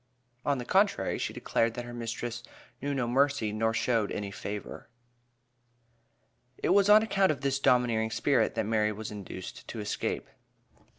On the contrary, she declared that her mistress "knew no mercy nor showed any favor." It was on account of this "domineering spirit," that Mary was induced to escape.